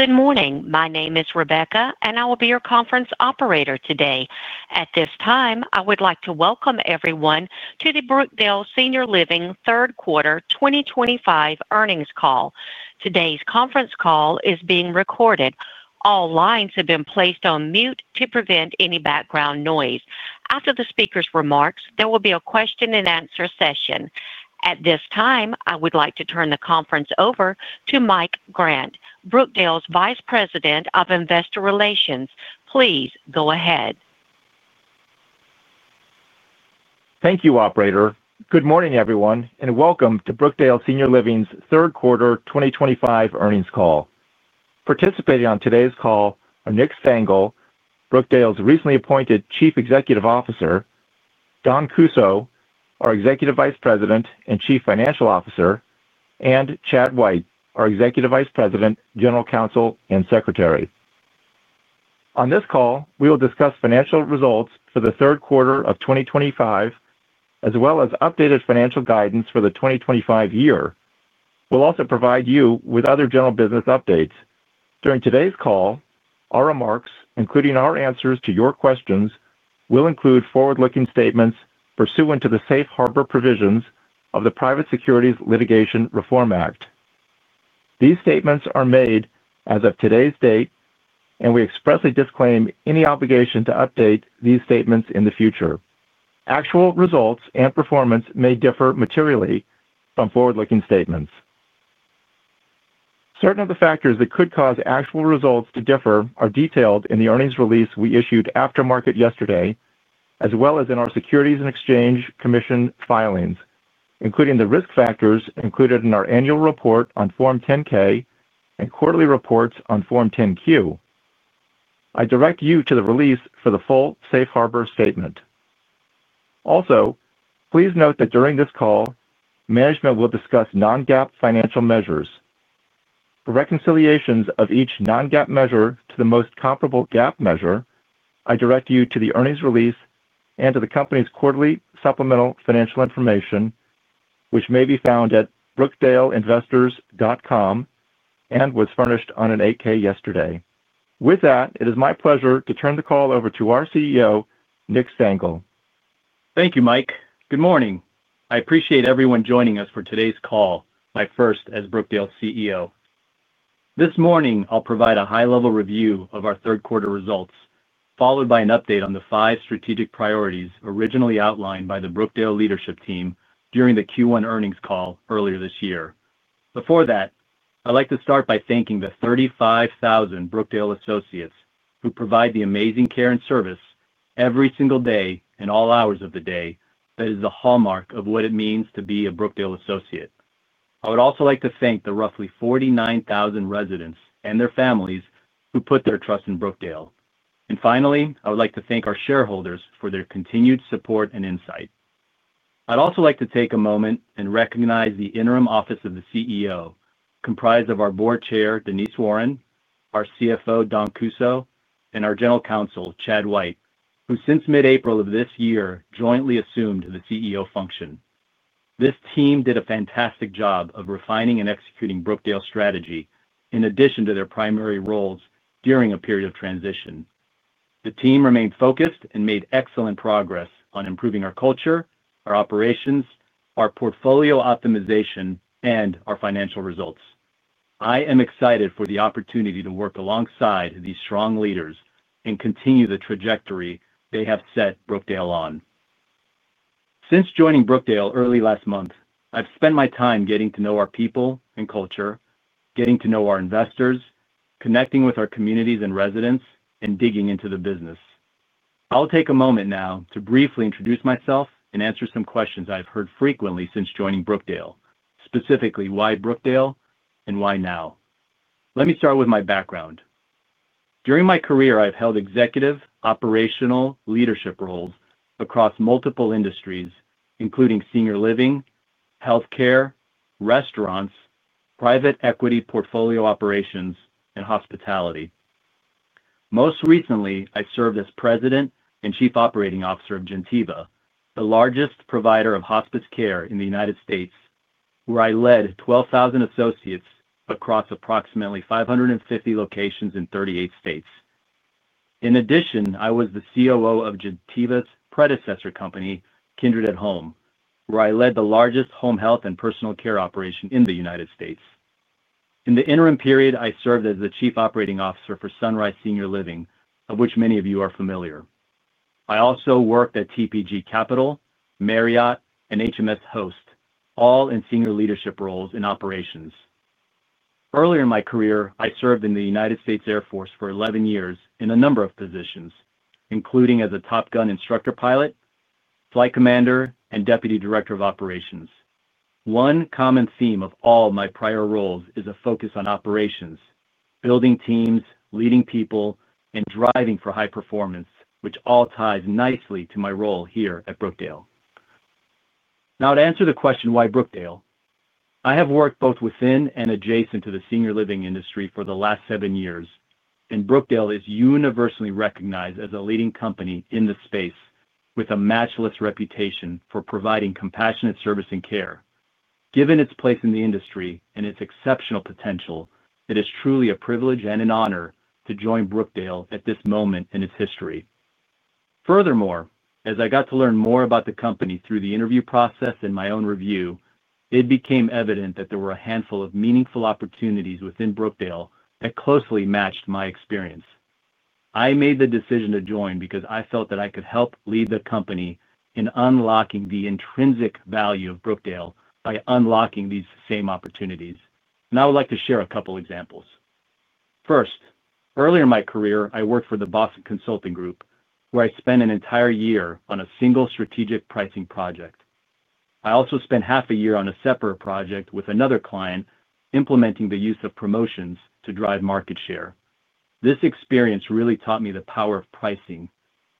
Good morning. My name is Rebecca, and I will be your conference operator today. At this time, I would like to welcome everyone to the Brookdale Senior Living third quarter 2025 earnings call. Today's conference call is being recorded. All lines have been placed on mute to prevent any background noise. After the speaker's remarks, there will be a question-and-answer session. At this time, I would like to turn the conference over to Mike Grant, Brookdale's Vice President of Investor Relations. Please go ahead. Thank you, Operator. Good morning, everyone, and welcome to Brookdale Senior Living's third quarter 2025 earnings call. Participating on today's call are Nick Stengle, Brookdale's recently appointed Chief Executive Officer; Dawn Kussow, our Executive Vice President and Chief Financial Officer; and Chad White, our Executive Vice President, General Counsel, and Secretary. On this call, we will discuss financial results for the third quarter of 2025, as well as updated financial guidance for the 2025 year. We'll also provide you with other general business updates. During today's call, our remarks, including our answers to your questions, will include forward-looking statements pursuant to the safe harbor provisions of the Private Securities Litigation Reform Act. These statements are made as of today's date, and we expressly disclaim any obligation to update these statements in the future. Actual results and performance may differ materially from forward-looking statements. Certain of the factors that could cause actual results to differ are detailed in the earnings release we issued after market yesterday, as well as in our Securities and Exchange Commission filings, including the risk factors included in our annual report on Form 10-K and quarterly reports on Form 10-Q. I direct you to the release for the full safe harbor statement. Also, please note that during this call, management will discuss non-GAAP financial measures. For reconciliations of each non-GAAP measure to the most comparable GAAP measure, I direct you to the earnings release and to the company's quarterly supplemental financial information, which may be found at brookdaleinvestors.com and was furnished on an 8-K yesterday. With that, it is my pleasure to turn the call over to our CEO, Nick Stengle. Thank you, Mike. Good morning. I appreciate everyone joining us for today's call, my first as Brookdale's CEO. This morning, I'll provide a high-level review of our third quarter results, followed by an update on the five strategic priorities originally outlined by the Brookdale leadership team during the Q1 earnings call earlier this year. Before that, I'd like to start by thanking the 35,000 Brookdale associates who provide the amazing care and service every single day and all hours of the day that is the hallmark of what it means to be a Brookdale associate. I would also like to thank the roughly 49,000 residents and their families who put their trust in Brookdale. Finally, I would like to thank our shareholders for their continued support and insight. I'd also like to take a moment and recognize the interim office of the CEO, comprised of our Board Chair, Denise Warren, our CFO, Dawn Kussow, and our General Counsel, Chad White, who since mid-April of this year jointly assumed the CEO function. This team did a fantastic job of refining and executing Brookdale's strategy in addition to their primary roles during a period of transition. The team remained focused and made excellent progress on improving our culture, our operations, our portfolio optimization, and our financial results. I am excited for the opportunity to work alongside these strong leaders and continue the trajectory they have set Brookdale on. Since joining Brookdale early last month, I've spent my time getting to know our people and culture, getting to know our investors, connecting with our communities and residents, and digging into the business. I'll take a moment now to briefly introduce myself and answer some questions I've heard frequently since joining Brookdale, specifically why Brookdale and why now. Let me start with my background. During my career, I've held executive, operational, and leadership roles across multiple industries, including senior living, healthcare, restaurants, private equity portfolio operations, and hospitality. Most recently, I served as President and Chief Operating Officer of Gentiva, the largest provider of hospice care in the United States, where I led 12,000 associates across approximately 550 locations in 38 states. In addition, I was the COO of Gentiva's predecessor company, Kindred at Home, where I led the largest home health and personal care operation in the United States. In the interim period, I served as the Chief Operating Officer for Sunrise Senior Living, of which many of you are familiar. I also worked at TPG Capital, Marriott, and HMSHost, all in senior leadership roles and operations. Earlier in my career, I served in the United States Air Force for 11 years in a number of positions, including as a Top Gun Instructor Pilot, Flight Commander, and Deputy Director of Operations. One common theme of all my prior roles is a focus on operations, building teams, leading people, and driving for high performance, which all ties nicely to my role here at Brookdale. Now, to answer the question why Brookdale, I have worked both within and adjacent to the senior living industry for the last seven years, and Brookdale is universally recognized as a leading company in the space with a matchless reputation for providing compassionate service and care. Given its place in the industry and its exceptional potential, it is truly a privilege and an honor to join Brookdale at this moment in its history. Furthermore, as I got to learn more about the company through the interview process and my own review, it became evident that there were a handful of meaningful opportunities within Brookdale that closely matched my experience. I made the decision to join because I felt that I could help lead the company in unlocking the intrinsic value of Brookdale by unlocking these same opportunities. I would like to share a couple of examples. First, earlier in my career, I worked for the Boston Consulting Group, where I spent an entire year on a single strategic pricing project. I also spent half a year on a separate project with another client implementing the use of promotions to drive market share. This experience really taught me the power of pricing,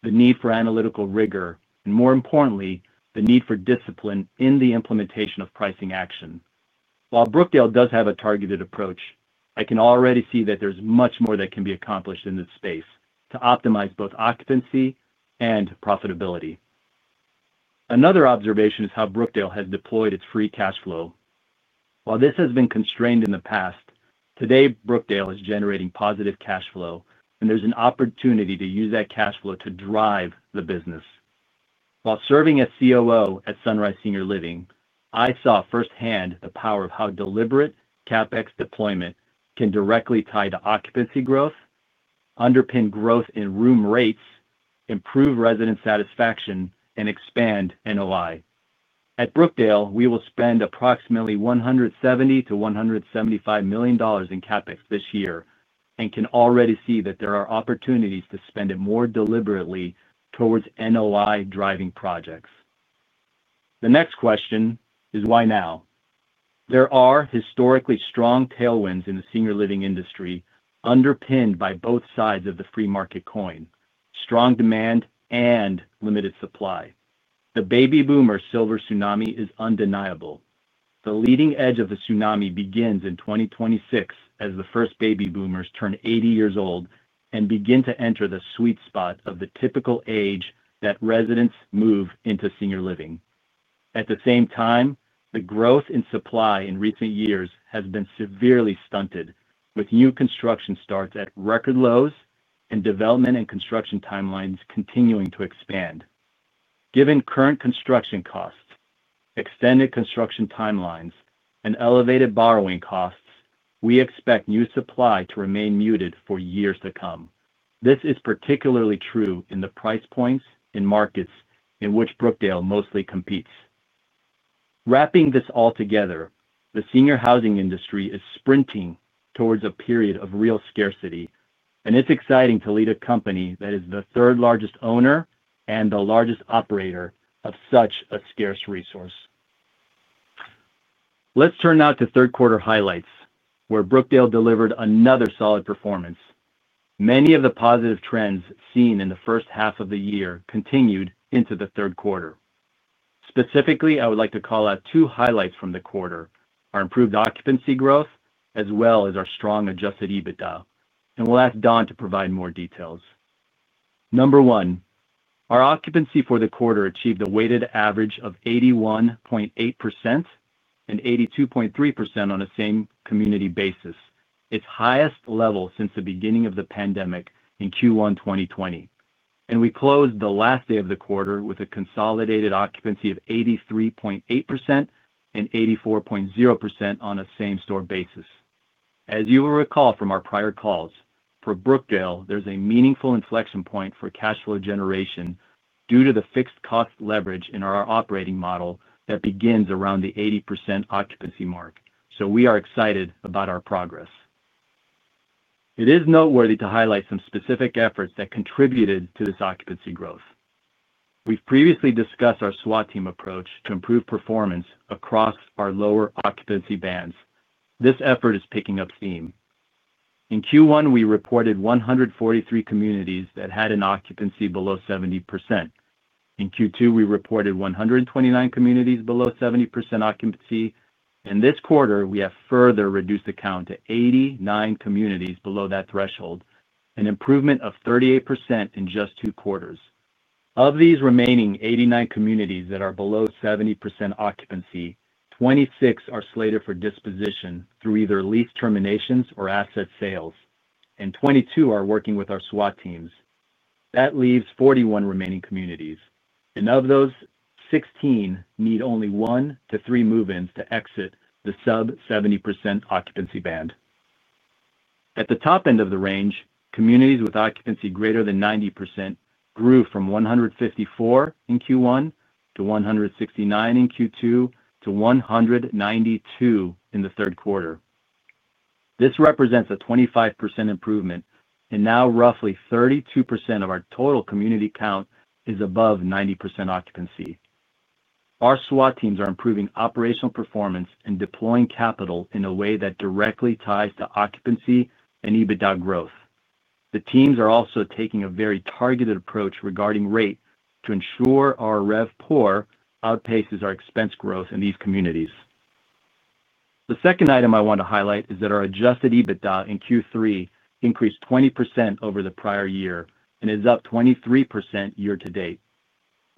the need for analytical rigor, and more importantly, the need for discipline in the implementation of pricing action. While Brookdale does have a targeted approach, I can already see that there's much more that can be accomplished in this space to optimize both occupancy and profitability. Another observation is how Brookdale has deployed its free cash flow. While this has been constrained in the past, today Brookdale is generating positive cash flow, and there's an opportunity to use that cash flow to drive the business. While serving as COO at Sunrise Senior Living, I saw firsthand the power of how deliberate CapEx deployment can directly tie to occupancy growth, underpin growth in room rates, improve resident satisfaction, and expand NOI. At Brookdale, we will spend approximately $170 million-$175 million in CapEx this year and can already see that there are opportunities to spend it more deliberately towards NOI-driving projects. The next question is why now. There are historically strong tailwinds in the senior living industry underpinned by both sides of the free market coin: strong demand and limited supply. The baby boomer silver tsunami is undeniable. The leading edge of the tsunami begins in 2026 as the first baby boomers turn 80 years old and begin to enter the sweet spot of the typical age that residents move into senior living. At the same time, the growth in supply in recent years has been severely stunted, with new construction starts at record lows and development and construction timelines continuing to expand. Given current construction costs, extended construction timelines, and elevated borrowing costs, we expect new supply to remain muted for years to come. This is particularly true in the price points and markets in which Brookdale mostly competes. Wrapping this all together, the senior housing industry is sprinting towards a period of real scarcity, and it's exciting to lead a company that is the third-largest owner and the largest operator of such a scarce resource. Let's turn now to third quarter highlights, where Brookdale delivered another solid performance. Many of the positive trends seen in the first half of the year continued into the third quarter. Specifically, I would like to call out two highlights from the quarter: our improved occupancy growth, as well as our strong adjusted EBITDA. And we'll ask Dawn to provide more details. Number one, our occupancy for the quarter achieved a weighted average of 81.8% and 82.3% on a same-community basis, its highest level since the beginning of the pandemic in Q1 2020. We closed the last day of the quarter with a consolidated occupancy of 83.8% and 84.0% on a same-store basis. As you will recall from our prior calls, for Brookdale, there is a meaningful inflection point for cash flow generation due to the fixed cost leverage in our operating model that begins around the 80% occupancy mark. We are excited about our progress. It is noteworthy to highlight some specific efforts that contributed to this occupancy growth. We have previously discussed our SWAT team approach to improve performance across our lower occupancy bands. This effort is picking up steam. In Q1, we reported 143 communities that had an occupancy below 70%. In Q2, we reported 129 communities below 70% occupancy. In this quarter, we have further reduced the count to 89 communities below that threshold, an improvement of 38% in just two quarters. Of these remaining 89 communities that are below 70% occupancy, 26 are slated for disposition through either lease terminations or asset sales, and 22 are working with our SWAT teams. That leaves 41 remaining communities. Of those, 16 need only one to three move-ins to exit the sub-70% occupancy band. At the top end of the range, communities with occupancy greater than 90% grew from 154 in Q1 to 169 in Q2 to 192 in the third quarter. This represents a 25% improvement, and now roughly 32% of our total community count is above 90% occupancy. Our SWAT teams are improving operational performance and deploying capital in a way that directly ties to occupancy and EBITDA growth. The teams are also taking a very targeted approach regarding rate to ensure our RevPOR outpaces our expense growth in these communities. The second item I want to highlight is that our adjusted EBITDA in Q3 increased 20% over the prior year and is up 23% year to date.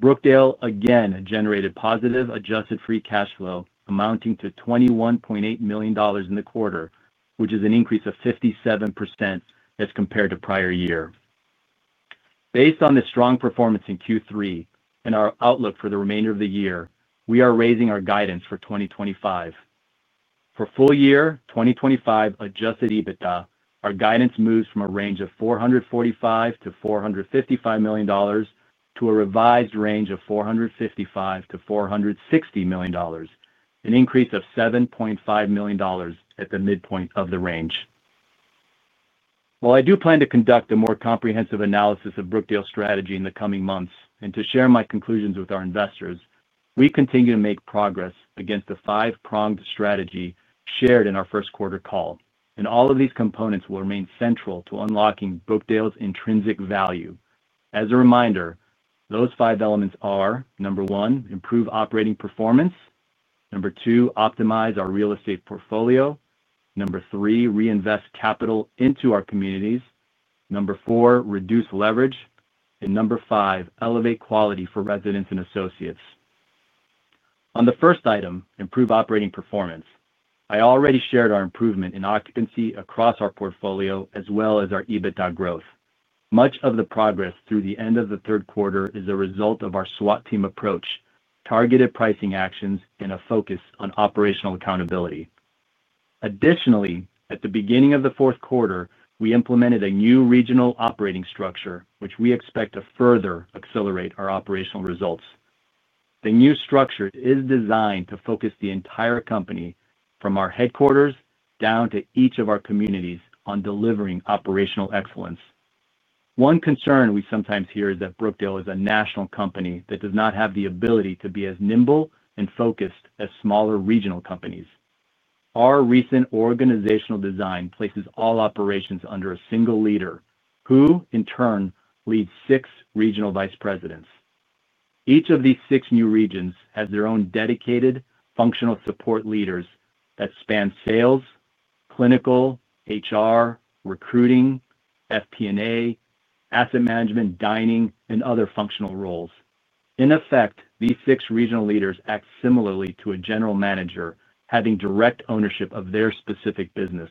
Brookdale, again, generated positive adjusted free cash flow amounting to $21.8 million in the quarter, which is an increase of 57% as compared to prior year. Based on the strong performance in Q3 and our outlook for the remainder of the year, we are raising our guidance for 2025. For full year 2025 adjusted EBITDA, our guidance moves from a range of $445 million-$455 million to a revised range of $455 million-$460 million, an increase of $7.5 million at the midpoint of the range. While I do plan to conduct a more comprehensive analysis of Brookdale's strategy in the coming months and to share my conclusions with our investors, we continue to make progress against the five-pronged strategy shared in our first quarter call. All of these components will remain central to unlocking Brookdale's intrinsic value. As a reminder, those five elements are, number one, improve operating performance. Number two, optimize our real estate portfolio. Number three, reinvest capital into our communities. Number four, reduce leverage. Number five, elevate quality for residents and associates. On the first item, improve operating performance. I already shared our improvement in occupancy across our portfolio as well as our EBITDA growth. Much of the progress through the end of the third quarter is a result of our SWAT team approach, targeted pricing actions, and a focus on operational accountability. Additionally, at the beginning of the fourth quarter, we implemented a new regional operating structure, which we expect to further accelerate our operational results. The new structure is designed to focus the entire company from our headquarters down to each of our communities on delivering operational excellence. One concern we sometimes hear is that Brookdale is a national company that does not have the ability to be as nimble and focused as smaller regional companies. Our recent organizational design places all operations under a single leader, who in turn leads six regional vice presidents. Each of these six new regions has their own dedicated functional support leaders that span sales, clinical, HR, recruiting, FP&A, asset management, dining, and other functional roles. In effect, these six regional leaders act similarly to a general manager having direct ownership of their specific business.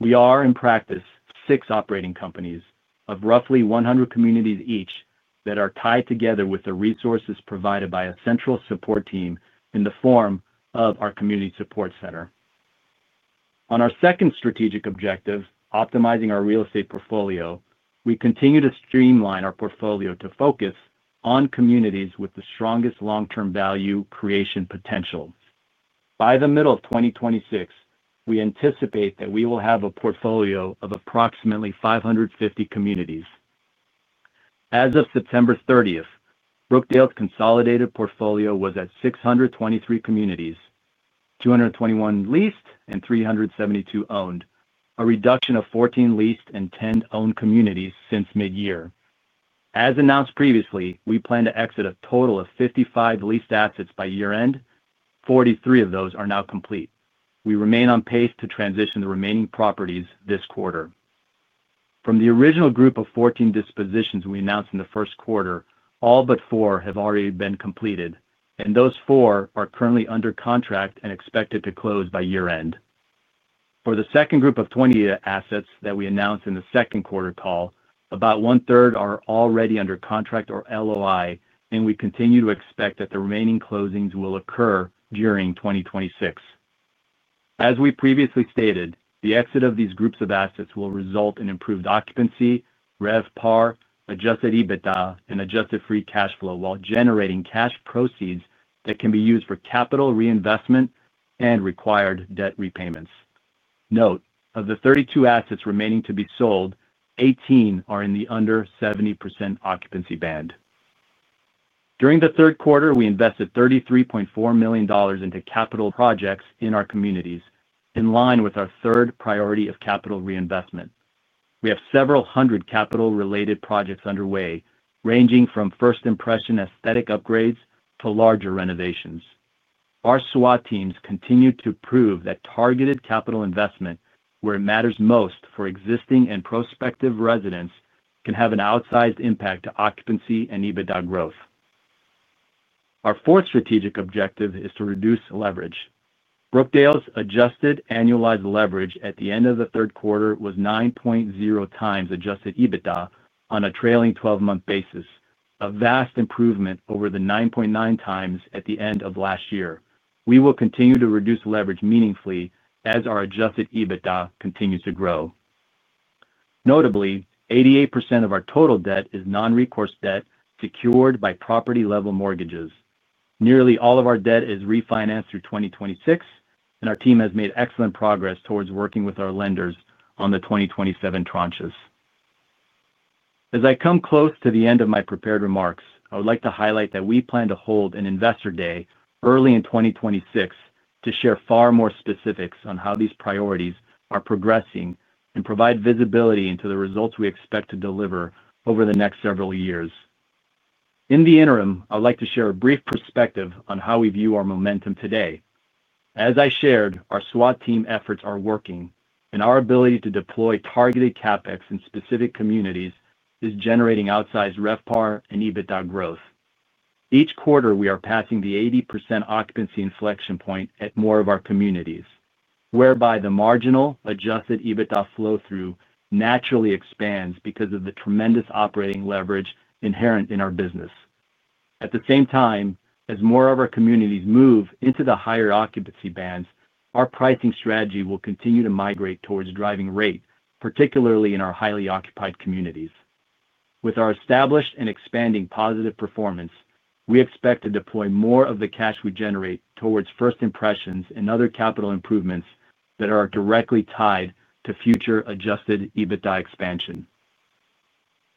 We are in practice six operating companies of roughly 100 communities each that are tied together with the resources provided by a central support team in the form of our community support center. On our second strategic objective, optimizing our real estate portfolio, we continue to streamline our portfolio to focus on communities with the strongest long-term value creation potential. By the middle of 2026, we anticipate that we will have a portfolio of approximately 550 communities. As of September 30, Brookdale's consolidated portfolio was at 623 communities, 221 leased, and 372 owned, a reduction of 14 leased and 10 owned communities since mid-year. As announced previously, we plan to exit a total of 55 leased assets by year-end. 43 of those are now complete. We remain on pace to transition the remaining properties this quarter. From the original group of 14 dispositions we announced in the first quarter, all but four have already been completed, and those four are currently under contract and expected to close by year-end. For the second group of assets that we announced in the second quarter call, about one-third are already under contract or LOI, and we continue to expect that the remaining closings will occur during 2026. As we previously stated, the exit of these groups of assets will result in improved occupancy, RevPAR, adjusted EBITDA, and adjusted free cash flow while generating cash proceeds that can be used for capital reinvestment and required debt repayments. Note, of the 32 assets remaining to be sold, 18 are in the under 70% occupancy band. During the third quarter, we invested $33.4 million into capital projects in our communities, in line with our third priority of capital reinvestment. We have several hundred capital-related projects underway, ranging from first-impression aesthetic upgrades to larger renovations. Our SWAT teams continue to prove that targeted capital investment, where it matters most for existing and prospective residents, can have an outsized impact on occupancy and EBITDA growth. Our fourth strategic objective is to reduce leverage. Brookdale's adjusted annualized leverage at the end of the third quarter was 9.0x adjusted EBITDA on a trailing 12-month basis, a vast improvement over the 9.9x at the end of last year. We will continue to reduce leverage meaningfully as our adjusted EBITDA continues to grow. Notably, 88% of our total debt is non-recourse debt secured by property-level mortgages. Nearly all of our debt is refinanced through 2026, and our team has made excellent progress towards working with our lenders on the 2027 tranches. As I come close to the end of my prepared remarks, I would like to highlight that we plan to hold an Investor Day early in 2026 to share far more specifics on how these priorities are progressing and provide visibility into the results we expect to deliver over the next several years. In the interim, I would like to share a brief perspective on how we view our momentum today. As I shared, our SWAT team efforts are working, and our ability to deploy targeted CapEx in specific communities is generating outsized RevPAR and EBITDA growth. Each quarter, we are passing the 80% occupancy inflection point at more of our communities, whereby the marginal adjusted EBITDA flow-through naturally expands because of the tremendous operating leverage inherent in our business. At the same time, as more of our communities move into the higher occupancy bands, our pricing strategy will continue to migrate towards driving rate, particularly in our highly occupied communities. With our established and expanding positive performance, we expect to deploy more of the cash we generate towards first impressions and other capital improvements that are directly tied to future adjusted EBITDA expansion.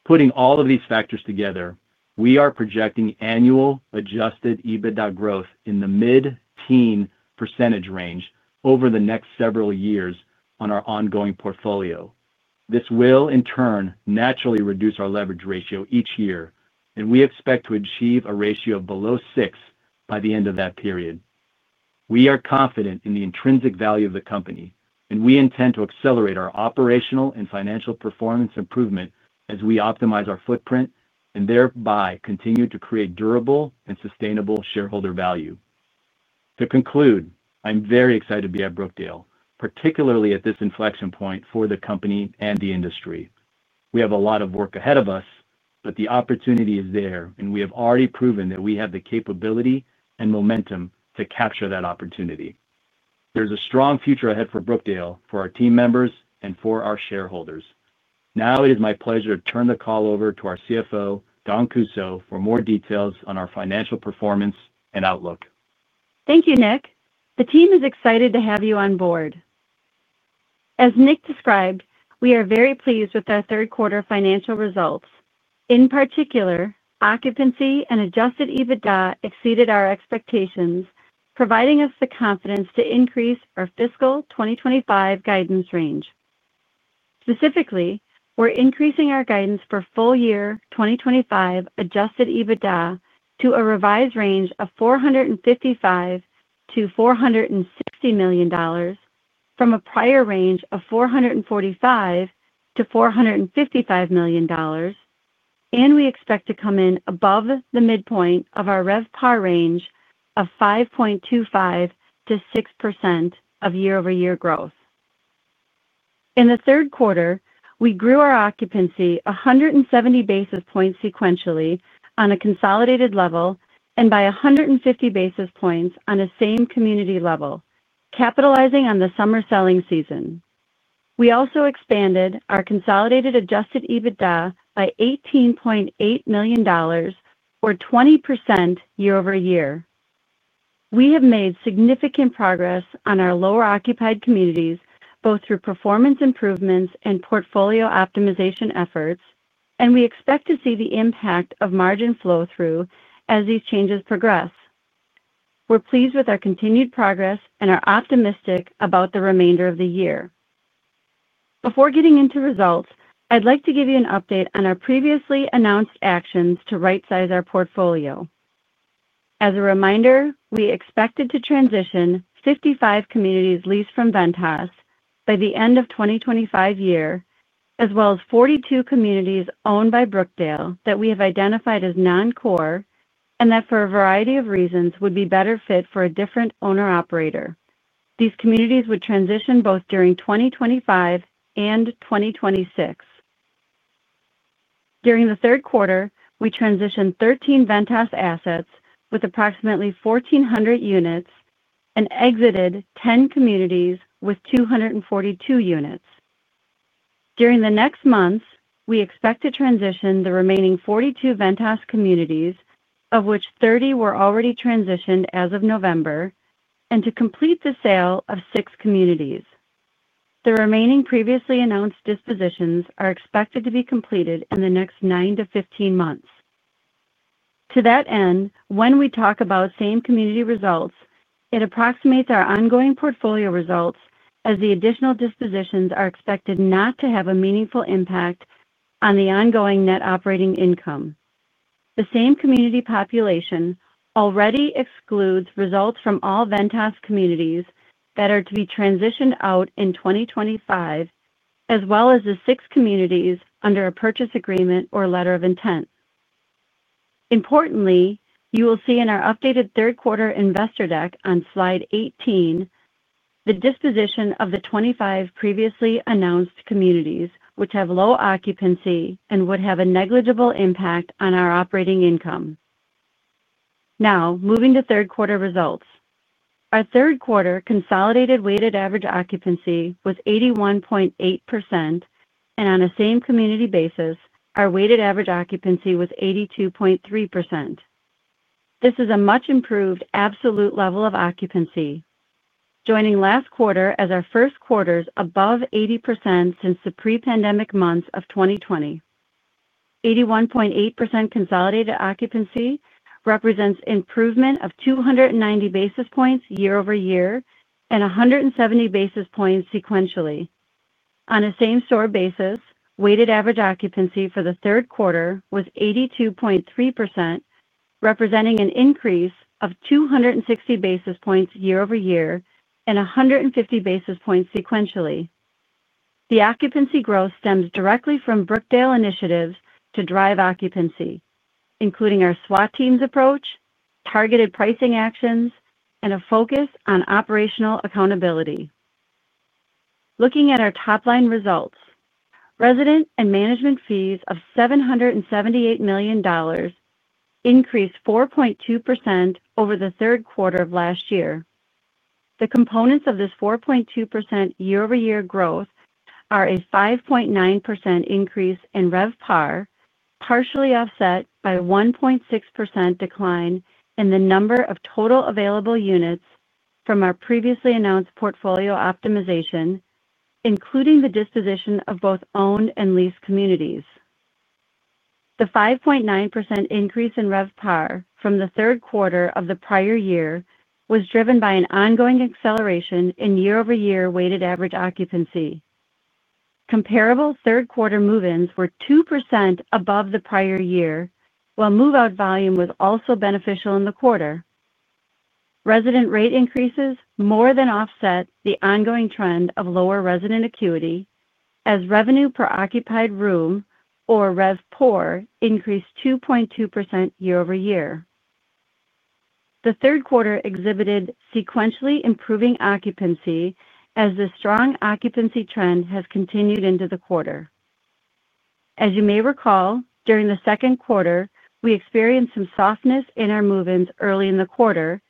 Putting all of these factors together, we are projecting annual adjusted EBITDA growth in the mid-teen % range over the next several years on our ongoing portfolio. This will, in turn, naturally reduce our leverage ratio each year, and we expect to achieve a ratio of below six by the end of that period. We are confident in the intrinsic value of the company, and we intend to accelerate our operational and financial performance improvement as we optimize our footprint and thereby continue to create durable and sustainable shareholder value. To conclude, I'm very excited to be at Brookdale, particularly at this inflection point for the company and the industry. We have a lot of work ahead of us, but the opportunity is there, and we have already proven that we have the capability and momentum to capture that opportunity. There's a strong future ahead for Brookdale, for our team members, and for our shareholders. Now it is my pleasure to turn the call over to our CFO, Dawn Kussow, for more details on our financial performance and outlook. Thank you, Nick. The team is excited to have you on board. As Nick described, we are very pleased with our third quarter financial results. In particular, occupancy and adjusted EBITDA exceeded our expectations, providing us the confidence to increase our fiscal 2025 guidance range. Specifically, we're increasing our guidance for full year 2025 adjusted EBITDA to a revised range of $455 million-$460 million from a prior range of $445 million-$455 million, and we expect to come in above the midpoint of our RevPAR range of 5.25%-6% of year-over-year growth. In the third quarter, we grew our occupancy 170 basis points sequentially on a consolidated level and by 150 basis points on a same community level, capitalizing on the summer selling season. We also expanded our consolidated adjusted EBITDA by $18.8 million, or 20% year-over-year. We have made significant progress on our lower-occupied communities, both through performance improvements and portfolio optimization efforts, and we expect to see the impact of margin flow-through as these changes progress. We're pleased with our continued progress and are optimistic about the remainder of the year. Before getting into results, I'd like to give you an update on our previously announced actions to right-size our portfolio. As a reminder, we expected to transition 55 communities leased from Ventas by the end of 2025, as well as 42 communities owned by Brookdale that we have identified as non-core and that for a variety of reasons would be better fit for a different owner-operator. These communities would transition both during 2025 and 2026. During the third quarter, we transitioned 13 Ventas assets with approximately 1,400 units and exited 10 communities with 242 units. During the next months, we expect to transition the remaining 42 Ventas communities, of which 30 were already transitioned as of November, and to complete the sale of six communities. The remaining previously announced dispositions are expected to be completed in the next 9-15 months. To that end, when we talk about same community results, it approximates our ongoing portfolio results as the additional dispositions are expected not to have a meaningful impact on the ongoing net operating income. The same community population already excludes results from all Ventas communities that are to be transitioned out in 2025, as well as the six communities under a purchase agreement or letter of intent. Importantly, you will see in our updated third quarter investor deck on slide 18 the disposition of the 25 previously announced communities, which have low occupancy and would have a negligible impact on our operating income. Now, moving to third quarter results. Our third quarter consolidated weighted average occupancy was 81.8%, and on a same community basis, our weighted average occupancy was 82.3%. This is a much-improved absolute level of occupancy, joining last quarter as our first quarters above 80% since the pre-pandemic months of 2020. 81.8% consolidated occupancy represents improvement of 290 basis points year-over-year and 170 basis points sequentially. On a same-store basis, weighted average occupancy for the third quarter was 82.3%, representing an increase of 260 basis points year-over-year and 150 basis points sequentially. The occupancy growth stems directly from Brookdale initiatives to drive occupancy, including our SWAT team's approach, targeted pricing actions, and a focus on operational accountability. Looking at our top-line results, resident and management fees of $778 million increased 4.2% over the third quarter of last year. The components of this 4.2% year-over-year growth are a 5.9% increase in RevPAR, partially offset by a 1.6% decline in the number of total available units from our previously announced portfolio optimization, including the disposition of both owned and leased communities. The 5.9% increase in RevPAR from the third quarter of the prior year was driven by an ongoing acceleration in year-over-year weighted average occupancy. Comparable third-quarter move-ins were 2% above the prior year, while move-out volume was also beneficial in the quarter. Resident rate increases more than offset the ongoing trend of lower resident acuity, as revenue per occupied room, or RevPOR, increased 2.2% year-over-year. The third quarter exhibited sequentially improving occupancy as the strong occupancy trend has continued into the quarter. As you may recall, during the second quarter, we experienced some softness in our move-ins early in the quarter,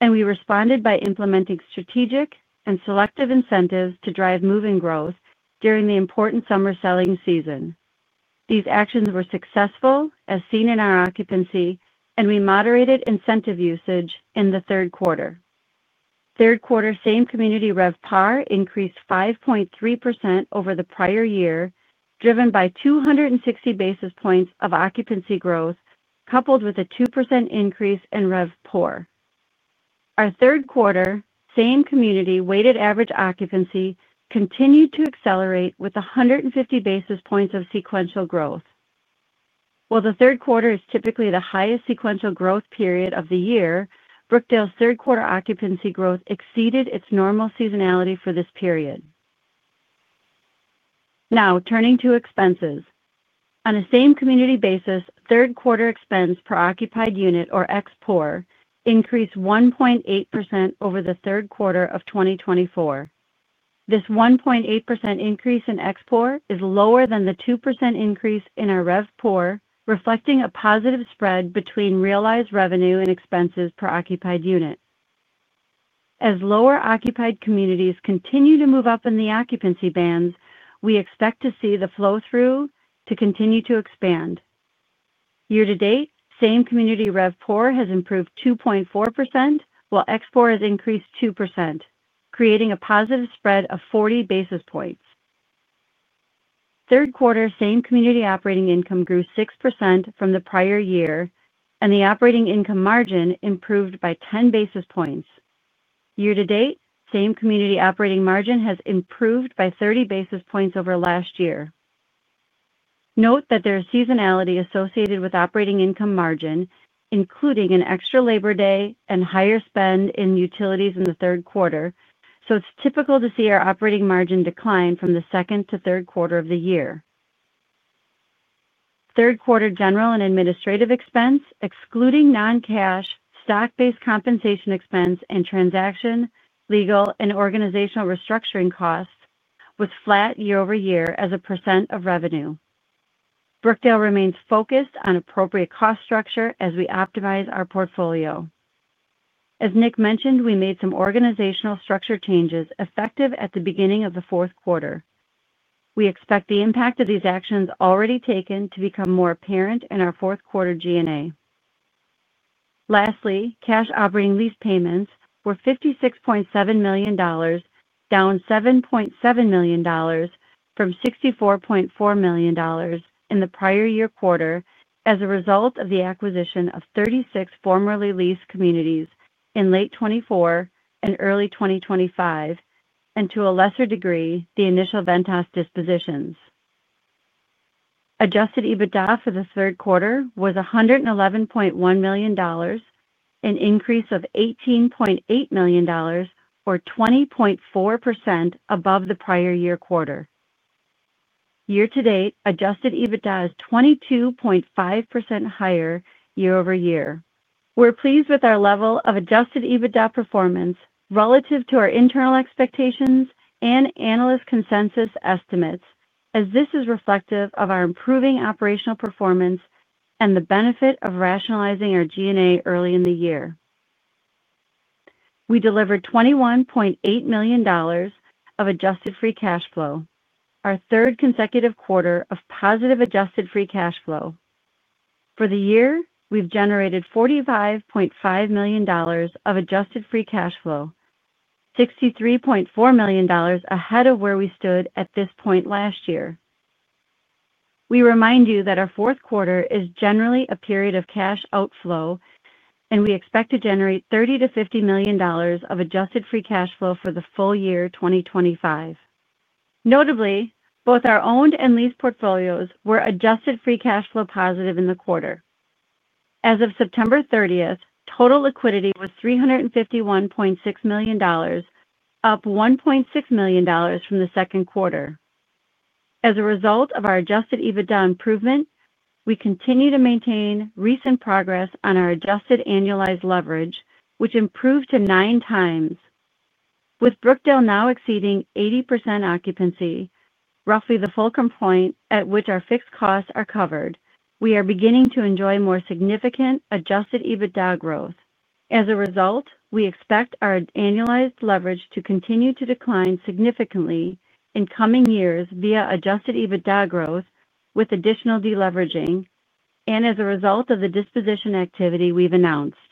and we responded by implementing strategic and selective incentives to drive move-in growth during the important summer selling season. These actions were successful, as seen in our occupancy, and we moderated incentive usage in the third quarter. Third quarter same community RevPAR increased 5.3% over the prior year, driven by 260 basis points of occupancy growth, coupled with a 2% increase in RevPOR. Our third quarter same community weighted average occupancy continued to accelerate with 150 basis points of sequential growth. While the third quarter is typically the highest sequential growth period of the year, Brookdale's third quarter occupancy growth exceeded its normal seasonality for this period. Now, turning to expenses. On a same community basis, third-quarter expense per occupied unit, or ExPOR, increased 1.8% over the third quarter of 2024. This 1.8% increase in ExPOR is lower than the 2% increase in our RevPOR, reflecting a positive spread between realized revenue and expenses per occupied unit. As lower-occupied communities continue to move up in the occupancy bands, we expect to see the flow-through to continue to expand. Year-to-date, same community RevPOR has improved 2.4%, while ExPOR has increased 2%, creating a positive spread of 40 basis points. Third quarter same community operating income grew 6% from the prior year, and the operating income margin improved by 10 basis points. Year-to-date, same community operating margin has improved by 30 basis points over last year. Note that there is seasonality associated with operating income margin, including an extra labor day and higher spend in utilities in the third quarter, so it's typical to see our operating margin decline from the second to third quarter of the year. Third quarter general and administrative expense, excluding non-cash, stock-based compensation expense, and transaction, legal, and organizational restructuring costs, was flat year-over-year as a percent of revenue. Brookdale remains focused on appropriate cost structure as we optimize our portfolio. As Nick mentioned, we made some organizational structure changes effective at the beginning of the fourth quarter. We expect the impact of these actions already taken to become more apparent in our fourth quarter G&A. Lastly, cash operating lease payments were $56.7 million, down $7.7 million from $64.4 million in the prior year quarter as a result of the acquisition of 36 formerly leased communities in late 2024 and early 2025, and to a lesser degree, the initial Ventas dispositions. Adjusted EBITDA for the third quarter was $111.1 million, an increase of $18.8 million, or 20.4% above the prior year quarter. Year-to-date, adjusted EBITDA is 22.5% higher year-over-year. We're pleased with our level of adjusted EBITDA performance relative to our internal expectations and analyst consensus estimates, as this is reflective of our improving operational performance and the benefit of rationalizing our G&A early in the year. We delivered $21.8 million of adjusted free cash flow, our third consecutive quarter of positive adjusted free cash flow. For the year, we've generated $45.5 million of adjusted free cash flow, $63.4 million ahead of where we stood at this point last year. We remind you that our fourth quarter is generally a period of cash outflow, and we expect to generate $30 million-$50 million of adjusted free cash flow for the full year 2025. Notably, both our owned and leased portfolios were adjusted free cash flow positive in the quarter. As of September 30th, total liquidity was $351.6 million, up $1.6 million from the second quarter. As a result of our adjusted EBITDA improvement, we continue to maintain recent progress on our adjusted annualized leverage, which improved to 9x. With Brookdale now exceeding 80% occupancy, roughly the fulcrum point at which our fixed costs are covered, we are beginning to enjoy more significant adjusted EBITDA growth. As a result, we expect our annualized leverage to continue to decline significantly in coming years via adjusted EBITDA growth with additional deleveraging and as a result of the disposition activity we've announced.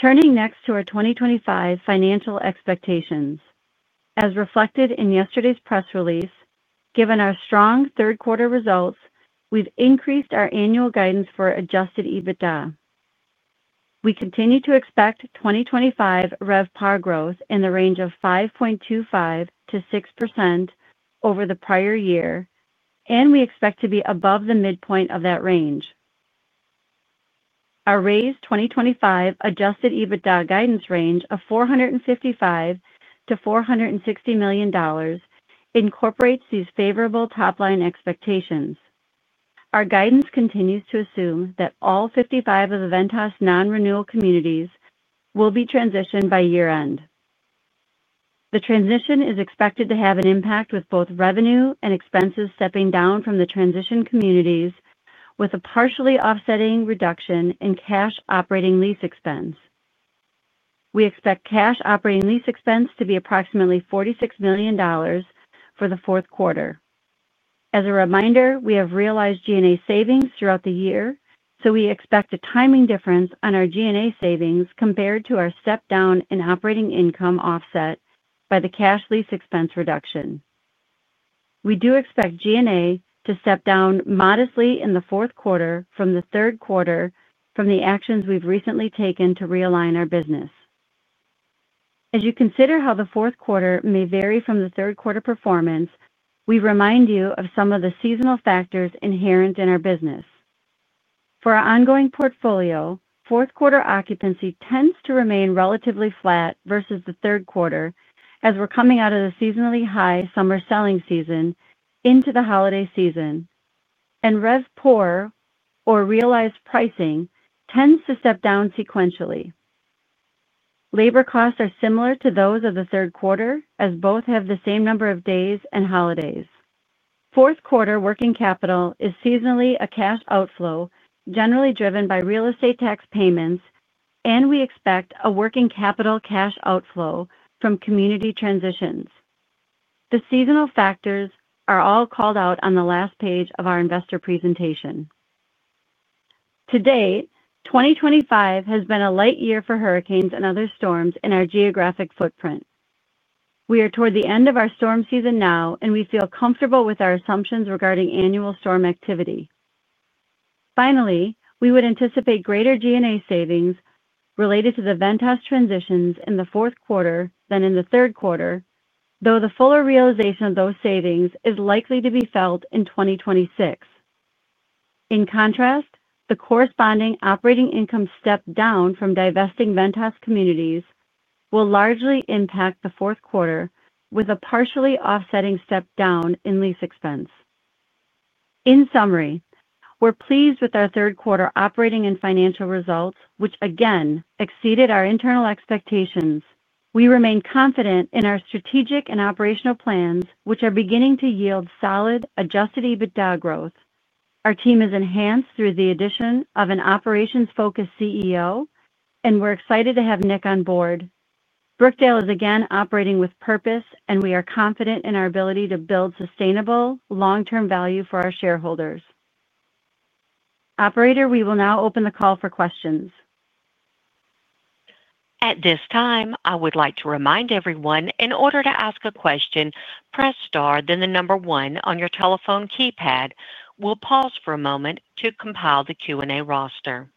Turning next to our 2025 financial expectations. As reflected in yesterday's press release, given our strong third quarter results, we've increased our annual guidance for adjusted EBITDA. We continue to expect 2025 RevPAR growth in the range of 5.25%-6% over the prior year, and we expect to be above the midpoint of that range. Our raised 2025 adjusted EBITDA guidance range of $455 million-$460 million incorporates these favorable top-line expectations. Our guidance continues to assume that all 55 of the Ventas non-renewal communities will be transitioned by year-end. The transition is expected to have an impact with both revenue and expenses stepping down from the transition communities, with a partially offsetting reduction in cash operating lease expense. We expect cash operating lease expense to be approximately $46 million for the fourth quarter. As a reminder, we have realized G&A savings throughout the year, so we expect a timing difference on our G&A savings compared to our step-down in operating income offset by the cash lease expense reduction. We do expect G&A to step down modestly in the fourth quarter from the third quarter from the actions we've recently taken to realign our business. As you consider how the fourth quarter may vary from the third quarter performance, we remind you of some of the seasonal factors inherent in our business. For our ongoing portfolio, fourth quarter occupancy tends to remain relatively flat vs the third quarter as we're coming out of the seasonally high summer selling season into the holiday season, and RevPOR or realized pricing tends to step down sequentially. Labor costs are similar to those of the third quarter as both have the same number of days and holidays. Fourth quarter working capital is seasonally a cash outflow generally driven by real estate tax payments, and we expect a working capital cash outflow from community transitions. The seasonal factors are all called out on the last page of our investor presentation. To date, 2025 has been a light year for hurricanes and other storms in our geographic footprint. We are toward the end of our storm season now, and we feel comfortable with our assumptions regarding annual storm activity. Finally, we would anticipate greater G&A savings related to the Ventas transitions in the fourth quarter than in the third quarter, though the fuller realization of those savings is likely to be felt in 2026. In contrast, the corresponding operating income step-down from divesting Ventas communities will largely impact the fourth quarter with a partially offsetting step-down in lease expense. In summary, we're pleased with our third quarter operating and financial results, which again exceeded our internal expectations. We remain confident in our strategic and operational plans, which are beginning to yield solid adjusted EBITDA growth. Our team is enhanced through the addition of an operations-focused CEO, and we're excited to have Nick on board. Brookdale is again operating with purpose, and we are confident in our ability to build sustainable long-term value for our shareholders. Operator, we will now open the call for questions. At this time, I would like to remind everyone in order to ask a question, press star, then the number one on your telephone keypad. We'll pause for a moment to compile the Q&A roster.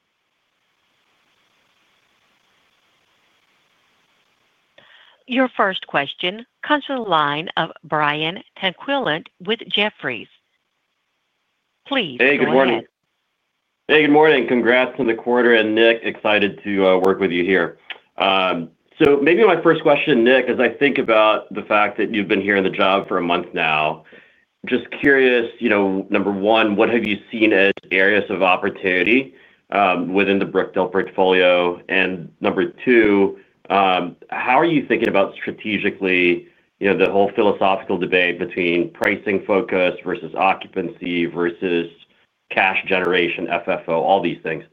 Your first question comes from the line of Brian Tanquilut with Jefferies. Please, Brian. Hey, good morning. Hey, good morning. Congrats on the quarter, and Nick, excited to work with you here. Maybe my first question, Nick, as I think about the fact that you've been here in the job for a month now, just curious, number one, what have you seen as areas of opportunity within the Brookdale portfolio? Number two, how are you thinking about strategically the whole philosophical debate between pricing focus vs occupancy vs cash generation, FFO, all these things?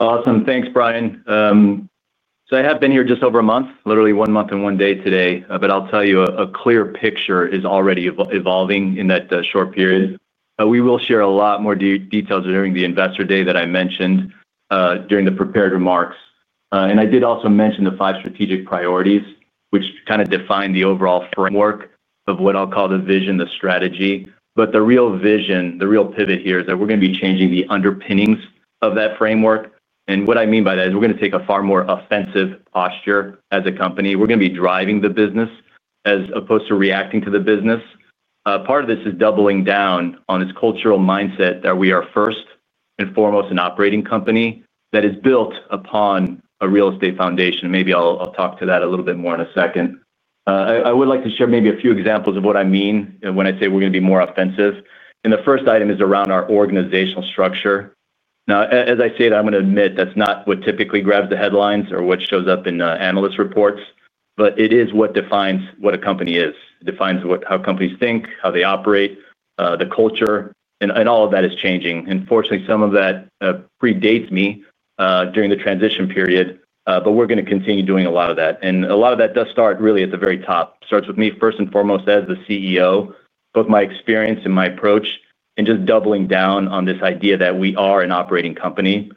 Awesome. Thanks, Brian. I have been here just over a month, literally one month and one day today, but I'll tell you a clear picture is already evolving in that short period. We will share a lot more details during the Investor Day that I mentioned during the prepared remarks. I did also mention the five strategic priorities, which kind of define the overall framework of what I'll call the vision, the strategy. The real vision, the real pivot here is that we're going to be changing the underpinnings of that framework. What I mean by that is we're going to take a far more offensive posture as a company. We're going to be driving the business as opposed to reacting to the business. Part of this is doubling down on this cultural mindset that we are first and foremost an operating company that is built upon a real estate foundation. Maybe I'll talk to that a little bit more in a second. I would like to share maybe a few examples of what I mean when I say we're going to be more offensive. The first item is around our organizational structure. Now, as I say it, I'm going to admit that's not what typically grabs the headlines or what shows up in analyst reports, but it is what defines what a company is. It defines how companies think, how they operate, the culture, and all of that is changing. Fortunately, some of that predates me during the transition period, but we're going to continue doing a lot of that. A lot of that does start really at the very top. It starts with me first and foremost as the CEO, both my experience and my approach, and just doubling down on this idea that we are an operating company.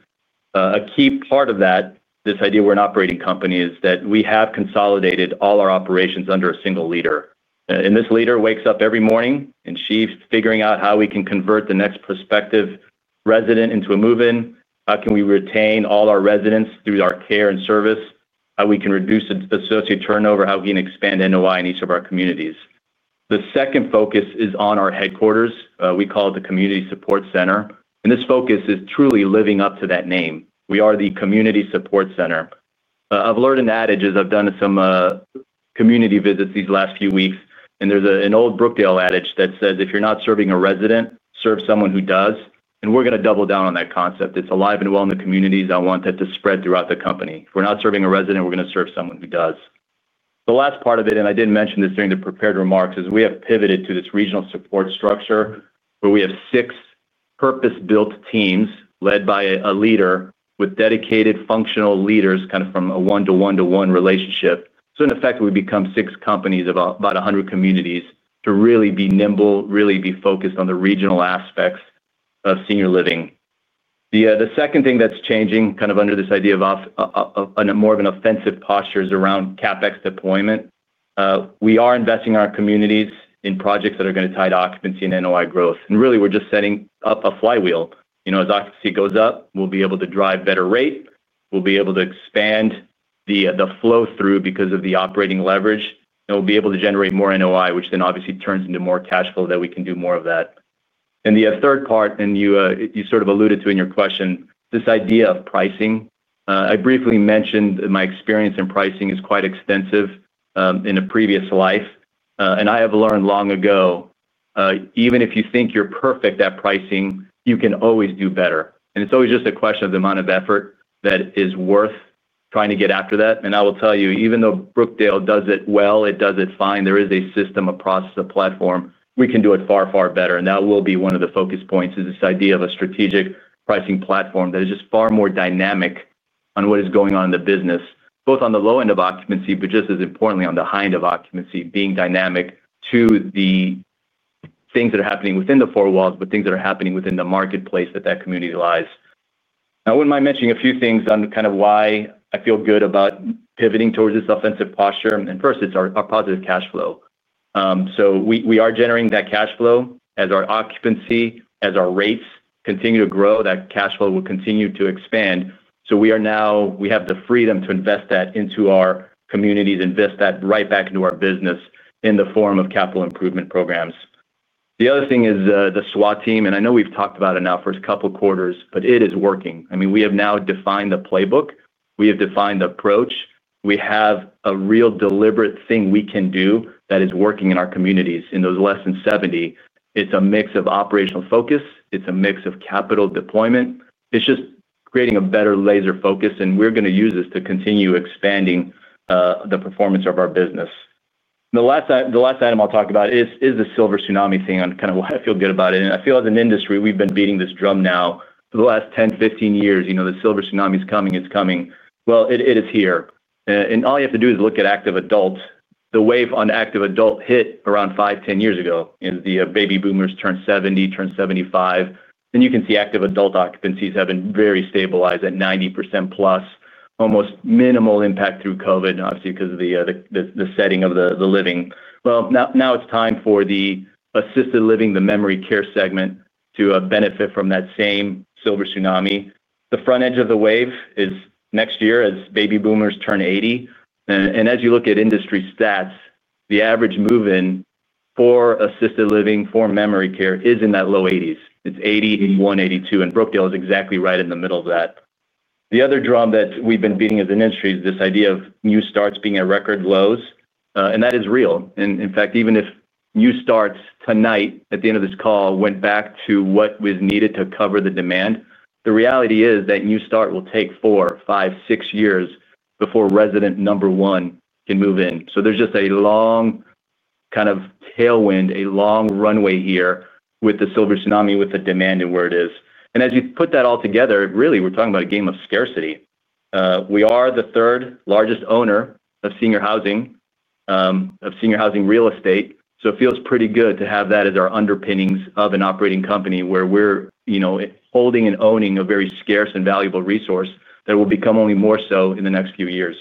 A key part of that, this idea we're an operating company, is that we have consolidated all our operations under a single leader. This leader wakes up every morning, and she's figuring out how we can convert the next prospective resident into a move-in. How can we retain all our residents through our care and service? How we can reduce associate turnover, how we can expand NOI in each of our communities. The second focus is on our headquarters. We call it the Community Support Center. This focus is truly living up to that name. We are the Community Support Center. I've learned an adage as I've done some community visits these last few weeks, and there's an old Brookdale adage that says, "If you're not serving a resident, serve someone who does." We're going to double down on that concept. It's alive and well in the communities. I want that to spread throughout the company. If we're not serving a resident, we're going to serve someone who does. The last part of it, and I didn't mention this during the prepared remarks, is we have pivoted to this regional support structure where we have six purpose-built teams led by a leader with dedicated functional leaders kind of from a one-to-one-to-one relationship. In effect, we become six companies of about 100 communities to really be nimble, really be focused on the regional aspects of senior living. The second thing that's changing kind of under this idea of more of an offensive posture is around CapEx deployment. We are investing in our communities in projects that are going to tie to occupancy and NOI growth. Really, we're just setting up a flywheel. As occupancy goes up, we'll be able to drive better rate. will be able to expand the flow-through because of the operating leverage, and we will be able to generate more NOI, which then obviously turns into more cash flow that we can do more of that. The third part, and you sort of alluded to in your question, this idea of pricing. I briefly mentioned my experience in pricing is quite extensive in a previous life, and I have learned long ago, even if you think you are perfect at pricing, you can always do better. It is always just a question of the amount of effort that is worth trying to get after that. I will tell you, even though Brookdale does it well, it does it fine. There is a system across the platform. We can do it far, far better. That will be one of the focus points, this idea of a strategic pricing platform that is just far more dynamic on what is going on in the business, both on the low end of occupancy, but just as importantly on the high end of occupancy, being dynamic to the things that are happening within the four walls, but things that are happening within the marketplace that that community lies. I would not mind mentioning a few things on kind of why I feel good about pivoting towards this offensive posture. First, it is our positive cash flow. We are generating that cash flow as our occupancy, as our rates continue to grow, that cash flow will continue to expand. We have the freedom to invest that into our communities, invest that right back into our business in the form of capital improvement programs. The other thing is the SWAT team, and I know we've talked about it now for a couple of quarters, but it is working. I mean, we have now defined the playbook. We have defined the approach. We have a real deliberate thing we can do that is working in our communities in those less than 70. It's a mix of operational focus. It's a mix of capital deployment. It's just creating a better laser focus, and we're going to use this to continue expanding the performance of our business. The last item I'll talk about is the silver tsunami thing on kind of why I feel good about it. I feel as an industry, we've been beating this drum now for the last 10-15 years. The silver tsunami's coming. It's coming. It is here. All you have to do is look at active adults. The wave on active adult hit around 5, 10 years ago as the baby boomers turned 70, turned 75. You can see active adult occupancies have been very stabilized at 90%+, almost minimal impact through COVID, obviously because of the setting of the living. Now it is time for the assisted living, the memory care segment to benefit from that same silver tsunami. The front edge of the wave is next year as baby boomers turn 80. As you look at industry stats, the average move-in for assisted living, for memory care is in that low 80s. It is 80, 81, 82. Brookdale is exactly right in the middle of that. The other drum that we have been beating as an industry is this idea of new starts being at record lows. That is real. In fact, even if new starts tonight at the end of this call went back to what was needed to cover the demand, the reality is that new start will take four, five, six years before resident number one can move in. There is just a long kind of tailwind, a long runway here with the silver tsunami, with the demand and where it is. As you put that all together, really we are talking about a game of scarcity. We are the third largest owner of senior housing, of senior housing real estate. It feels pretty good to have that as our underpinnings of an operating company where we are holding and owning a very scarce and valuable resource that will become only more so in the next few years.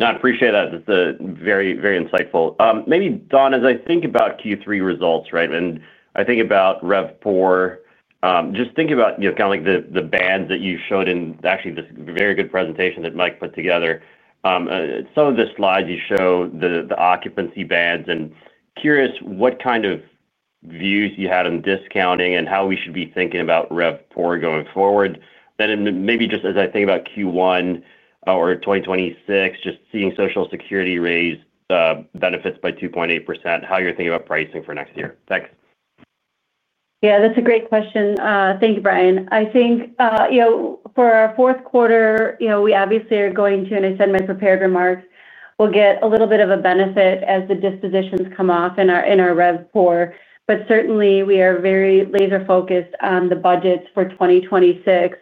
I appreciate that. It is very, very insightful. Maybe, Dawn, as I think about Q3 results, right, and I think about RevPOR, just think about kind of like the bands that you showed in actually this very good presentation that Mike put together. Some of the slides you show the occupancy bands and curious what kind of views you had on discounting and how we should be thinking about RevPOR going forward. Then maybe just as I think about Q1 or 2026, just seeing Social Security raise benefits by 2.8%, how you're thinking about pricing for next year. Thanks. Yeah, that's a great question. Thank you, Brian. I think for our fourth quarter, we obviously are going to, and I said in my prepared remarks, we'll get a little bit of a benefit as the dispositions come off in our RevPOR. Certainly, we are very laser-focused on the budgets for 2026.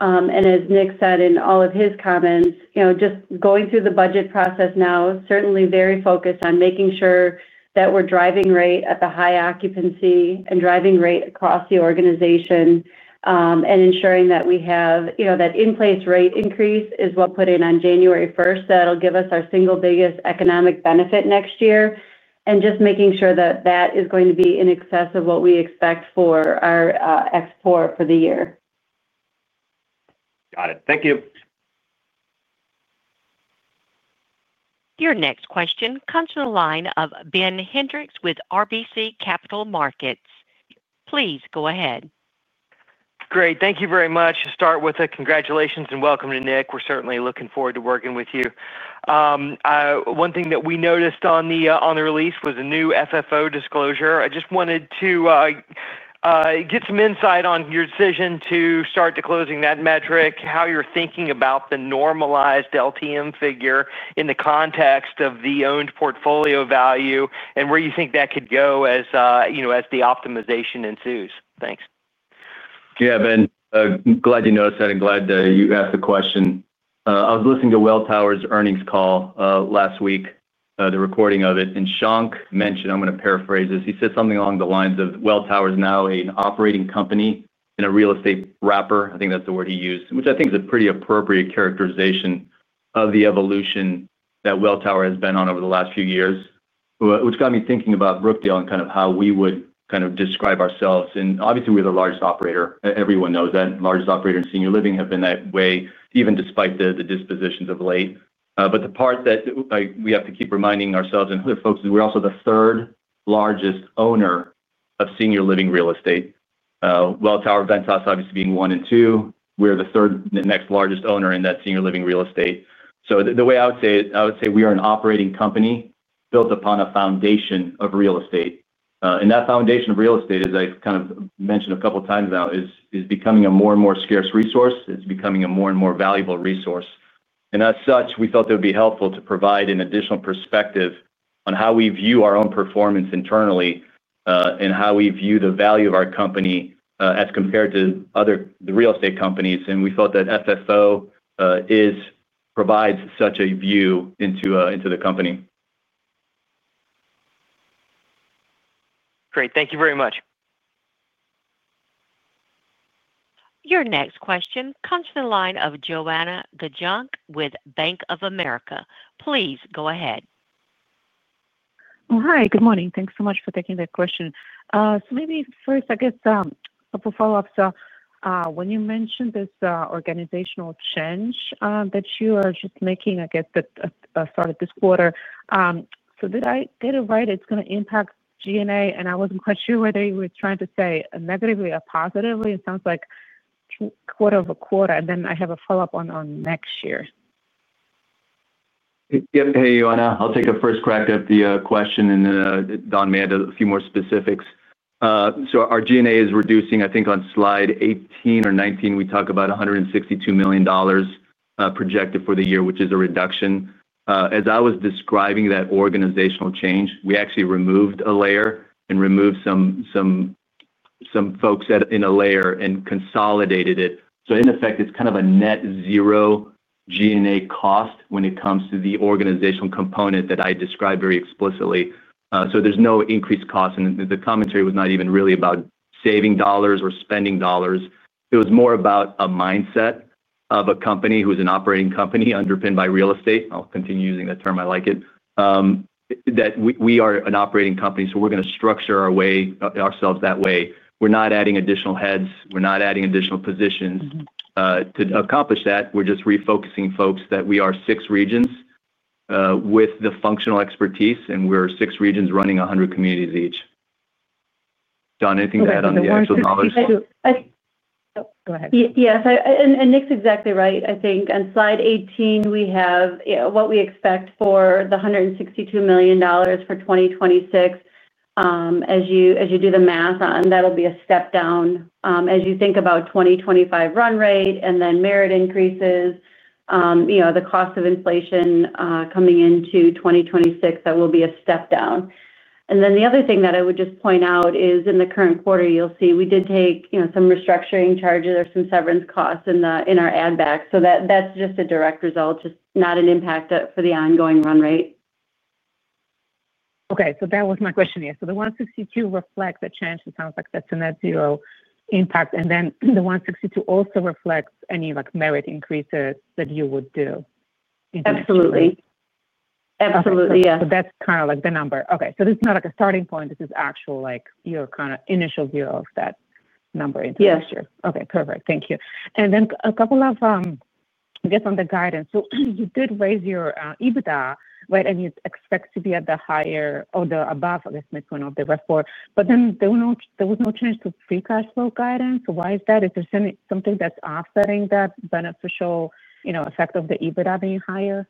As Nick said in all of his comments, just going through the budget process now, certainly very focused on making sure that we're driving rate at the high occupancy and driving rate across the organization and ensuring that we have that in-place rate increase is what we'll put in on January 1st. That'll give us our single biggest economic benefit next year. Just making sure that that is going to be in excess of what we expect for our ExPOR for the year. Got it. Thank you. Your next question comes from the line of Ben Hendrix with RBC Capital Markets. Please go ahead. Great. Thank you very much. To start with, congratulations and welcome to Nick. We're certainly looking forward to working with you. One thing that we noticed on the release was a new FFO disclosure. I just wanted to get some insight on your decision to start disclosing that metric, how you're thinking about the normalized LTM figure in the context of the owned portfolio value, and where you think that could go as the optimization ensues. Thanks. Yeah, Ben, glad you noticed that and glad you asked the question. I was listening to Welltower's earnings call last week, the recording of it, and Shankh mentioned, I'm going to paraphrase this. He said something along the lines of, "Welltower is now an operating company in a real estate wrapper." I think that's the word he used, which I think is a pretty appropriate characterization of the evolution that Welltower has been on over the last few years, which got me thinking about Brookdale and kind of how we would kind of describe ourselves. Obviously, we're the largest operator. Everyone knows that. Largest operator in senior living, have been that way even despite the dispositions of late. The part that we have to keep reminding ourselves and other folks is we're also the third largest owner of senior living real estate. Welltower, Ventas, obviously being one and two. We're the third and next largest owner in that senior living real estate. The way I would say it, I would say we are an operating company built upon a foundation of real estate. That foundation of real estate, as I kind of mentioned a couple of times now, is becoming a more and more scarce resource. It's becoming a more and more valuable resource. As such, we felt it would be helpful to provide an additional perspective on how we view our own performance internally and how we view the value of our company as compared to other real estate companies. We thought that FFO provides such a view into the company. Great. Thank you very much. Your next question comes from the line of Joanna Gajuk with Bank of America. Please go ahead. Hi, good morning. Thanks so much for taking that question. Maybe first, I guess a couple of follow-ups. When you mentioned this organizational change that you are just making, I guess, that started this quarter, did I get it right? It's going to impact G&A, and I wasn't quite sure whether you were trying to say negatively or positively. It sounds like quarter-over-quarter. I have a follow-up on next year. Yep. Hey, Joanna. I'll take a first crack at the question, and then Dawn may add a few more specifics. Our G&A is reducing. I think on slide 18 or 19, we talk about $162 million projected for the year, which is a reduction. As I was describing that organizational change, we actually removed a layer and removed some folks in a layer and consolidated it. In effect, it's kind of a net zero G&A cost when it comes to the organizational component that I described very explicitly. There's no increased cost. The commentary was not even really about saving dollars or spending dollars. It was more about a mindset of a company who is an operating company underpinned by real estate. I'll continue using that term. I like it. We are an operating company, so we're going to structure ourselves that way. We're not adding additional heads. We're not adding additional positions to accomplish that. We're just refocusing folks that we are six regions with the functional expertise, and we're six regions running 100 communities each. Dawn, anything to add on the actual knowledge? Go ahead. Yes. Nick's exactly right, I think. On slide 18, we have what we expect for the $162 million for 2026. As you do the math on that, that'll be a step down. As you think about 2025 run rate and then merit increases, the cost of inflation coming into 2026, that will be a step down. The other thing that I would just point out is in the current quarter, you'll see we did take some restructuring charges or some severance costs in our add-back. That's just a direct result, just not an impact for the ongoing run rate. Okay. That was my question. Yeah. The $162 million reflects the change. It sounds like that's a net zero impact. The $162 million also reflects any merit increases that you would do. Absolutely. Absolutely. Yeah. That's kind of like the number. Okay. This is not like a starting point. This is actually your kind of initial view of that number into next year. Yes. Okay. Perfect. Thank you. And then a couple of, I guess, on the guidance. You did raise your EBITDA, right? You expect to be at the higher or the above, I guess, midpoint of the RevPOR. There was no change to pre-cash flow guidance. Why is that? Is there something that's offsetting that beneficial effect of the EBITDA being higher?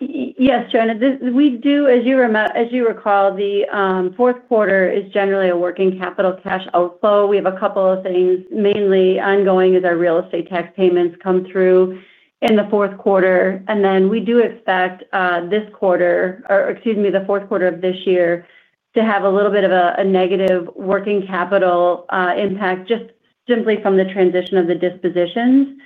Yes, Joanna. As you recall, the fourth quarter is generally a working capital cash outflow. We have a couple of things. Mainly ongoing is our real estate tax payments come through in the fourth quarter. We do expect this quarter, or excuse me, the fourth quarter of this year, to have a little bit of a negative working capital impact just simply from the transition of the dispositions.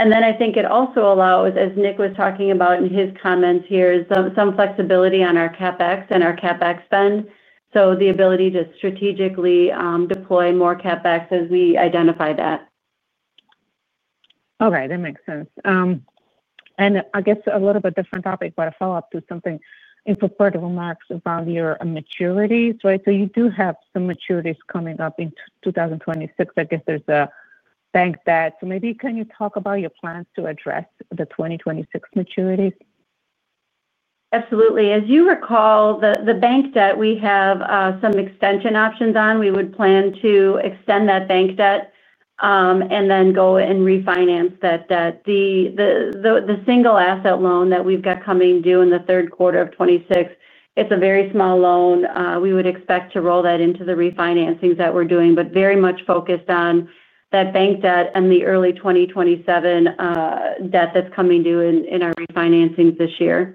I think it also allows, as Nick was talking about in his comments here, some flexibility on our CapEx and our CapEx spend. The ability to strategically deploy more CapEx as we identify that. All right. That makes sense. I guess a little bit different topic, but a follow-up to something in prepared remarks around your maturities, right? You do have some maturities coming up in 2026. I guess there's a bank debt. Maybe can you talk about your plans to address the 2026 maturities? Absolutely. As you recall, the bank debt we have some extension options on. We would plan to extend that bank debt and then go and refinance that debt. The single asset loan that we've got coming due in the third quarter of 2026, it's a very small loan. We would expect to roll that into the refinancings that we're doing, but very much focused on that bank debt and the early 2027 debt that's coming due in our refinancings this year.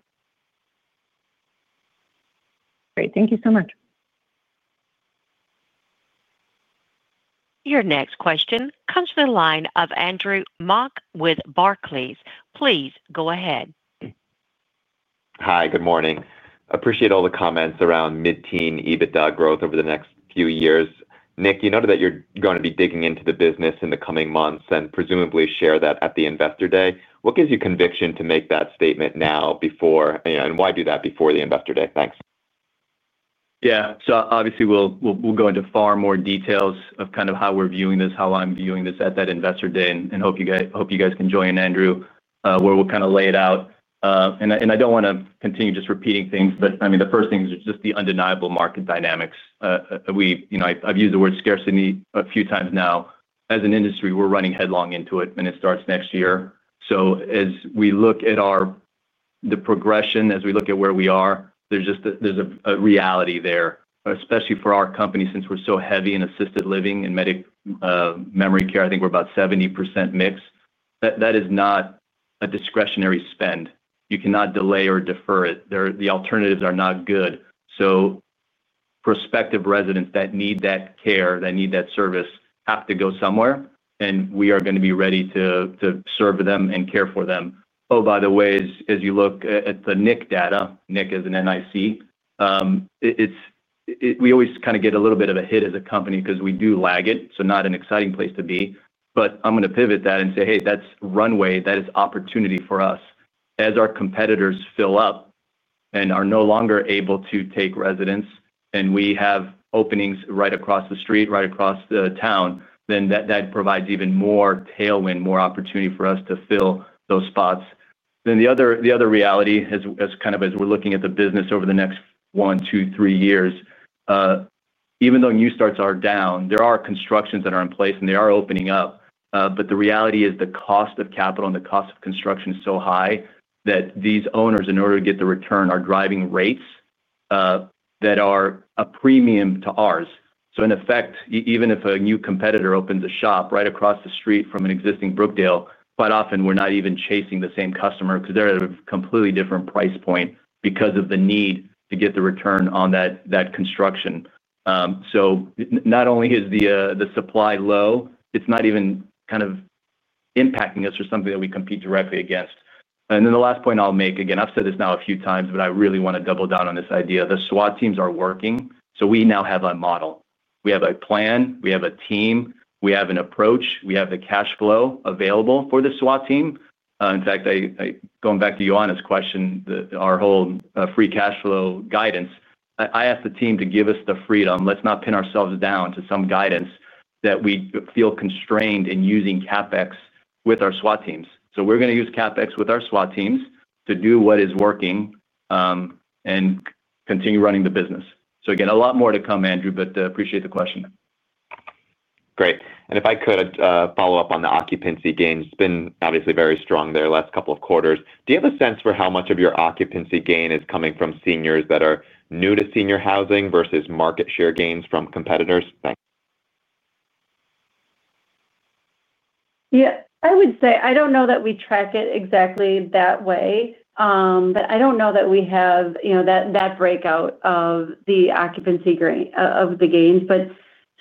Great. Thank you so much. Your next question comes from the line of Andrew Mok with Barclays. Please go ahead. Hi, good morning. Appreciate all the comments around mid-teen EBITDA growth over the next few years. Nick, you noted that you're going to be digging into the business in the coming months and presumably share that at the Investor Day. What gives you conviction to make that statement now before? And why do that before the Investor Day? Thanks. Yeah. Obviously, we'll go into far more details of kind of how we're viewing this, how I'm viewing this at that Investor Day, and hope you guys can join Andrew, where we'll kind of lay it out. I don't want to continue just repeating things, but I mean, the first thing is just the undeniable market dynamics. I've used the word scarcity a few times now. As an industry, we're running headlong into it, and it starts next year. As we look at the progression, as we look at where we are, there's a reality there, especially for our company since we're so heavy in assisted living and memory care. I think we're about 70% mix. That is not a discretionary spend. You cannot delay or defer it. The alternatives are not good. Prospective residents that need that care, that need that service have to go somewhere, and we are going to be ready to serve them and care for them. Oh, by the way, as you look at the NIC data, NIC is N-I-C, we always kind of get a little bit of a hit as a company because we do lag it. Not an exciting place to be. I am going to pivot that and say, "Hey, that is runway. That is opportunity for us." As our competitors fill up and are no longer able to take residents, and we have openings right across the street, right across the town, that provides even more tailwind, more opportunity for us to fill those spots. The other reality, as kind of as we're looking at the business over the next one, two, three years, even though new starts are down, there are constructions that are in place, and they are opening up. The reality is the cost of capital and the cost of construction is so high that these owners, in order to get the return, are driving rates that are a premium to ours. In effect, even if a new competitor opens a shop right across the street from an existing Brookdale, quite often we're not even chasing the same customer because they're at a completely different price point because of the need to get the return on that construction. Not only is the supply low, it's not even kind of impacting us or something that we compete directly against. The last point I'll make, again, I've said this now a few times, but I really want to double down on this idea. The SWAT teams are working. We now have a model. We have a plan. We have a team. We have an approach. We have the cash flow available for the SWAT team. In fact, going back to Joanna's question, our whole free cash flow guidance, I asked the team to give us the freedom. Let's not pin ourselves down to some guidance that we feel constrained in using CapEx with our SWAT teams. We're going to use CapEx with our SWAT teams to do what is working and continue running the business. Again, a lot more to come, Andrew, but appreciate the question. Great. If I could follow up on the occupancy gains. It's been obviously very strong there the last couple of quarters. Do you have a sense for how much of your occupancy gain is coming from seniors that are new to senior housing vs market share gains from competitors? Thanks. Yeah. I would say I do not know that we track it exactly that way, but I do not know that we have that breakout of the occupancy of the gains.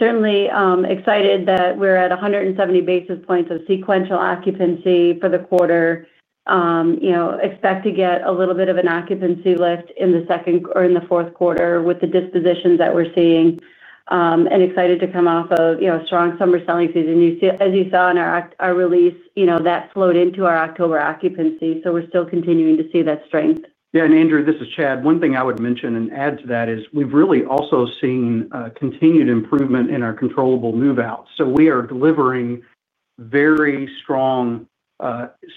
Certainly excited that we are at 170 basis points of sequential occupancy for the quarter. Expect to get a little bit of an occupancy lift in the second or in the fourth quarter with the dispositions that we are seeing and excited to come off of a strong summer selling season. As you saw in our release, that flowed into our October occupancy. We are still continuing to see that strength. Yeah. Andrew, this is Chad. One thing I would mention and add to that is we've really also seen continued improvement in our controllable move-outs. We are delivering very strong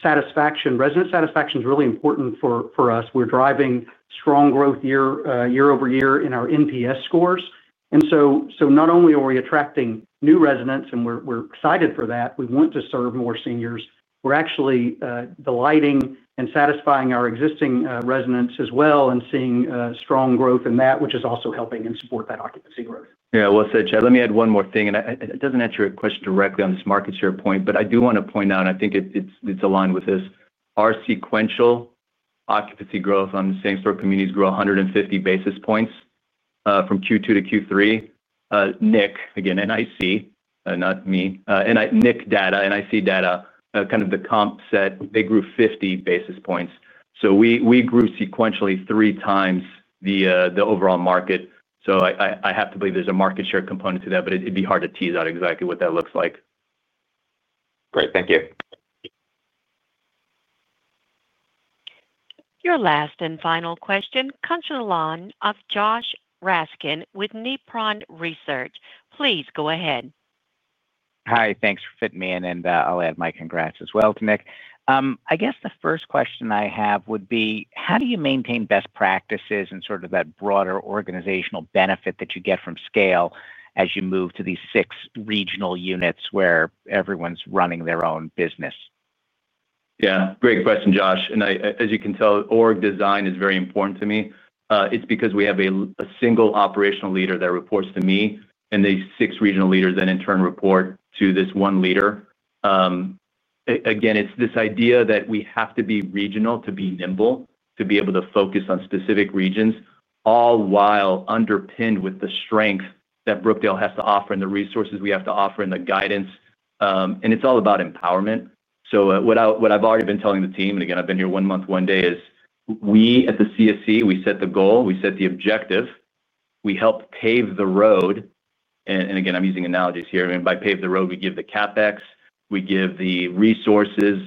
satisfaction. Resident satisfaction is really important for us. We're driving strong growth year-over-year in our NPS scores. Not only are we attracting new residents, and we're excited for that, we want to serve more seniors. We're actually delighting and satisfying our existing residents as well and seeing strong growth in that, which is also helping and support that occupancy growth. Yeah. Well said, Chad, let me add one more thing. It does not answer your question directly on this market share point, but I do want to point out, and I think it is aligned with this, our sequential occupancy growth on the same store communities grew 150 basis points from Q2 to Q3. Nick, again, NIC, not me. NIC data, kind of the comp set, they grew 50 basis points. We grew sequentially 3x the overall market. I have to believe there is a market share component to that, but it would be hard to tease out exactly what that looks like. Great. Thank you. Your last and final question comes from the line of Josh Raskin with Nephron Research. Please go ahead. Hi. Thanks for fitting me in. I'll add my congrats as well to Nick. I guess the first question I have would be, how do you maintain best practices and sort of that broader organizational benefit that you get from scale as you move to these six regional units where everyone's running their own business? Yeah. Great question, Josh. As you can tell, org design is very important to me. It's because we have a single operational leader that reports to me, and the six regional leaders then in turn report to this one leader. Again, it's this idea that we have to be regional to be nimble, to be able to focus on specific regions, all while underpinned with the strength that Brookdale has to offer and the resources we have to offer and the guidance. It's all about empowerment. What I've already been telling the team, and again, I've been here one month, one day, is we at the CSC, we set the goal. We set the objective. We help pave the road. I'm using analogies here. By pave the road, we give the CapEx. We give the resources,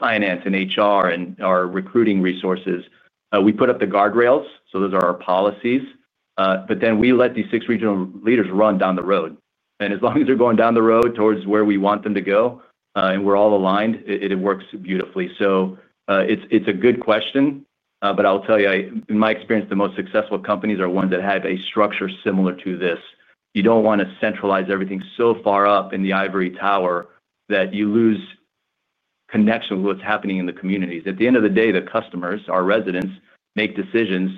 finance and HR and our recruiting resources. We put up the guardrails. Those are our policies. Then we let these six regional leaders run down the road. As long as they're going down the road towards where we want them to go and we're all aligned, it works beautifully. It's a good question, but I'll tell you, in my experience, the most successful companies are ones that have a structure similar to this. You don't want to centralize everything so far up in the ivory tower that you lose connection with what's happening in the communities. At the end of the day, the customers, our residents, make decisions